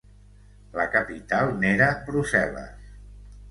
La capital n'era Brussel·les.